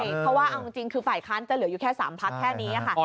เพราะว่าเอาจริงคือฝ่ายค้านจะเหลืออยู่แค่๓พักแค่นี้ค่ะ